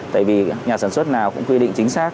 tại vì nhà sản xuất nào cũng quy định chính xác